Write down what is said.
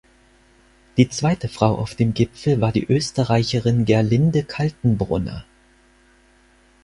Die zweite Frau auf dem Gipfel war die Österreicherin Gerlinde Kaltenbrunner.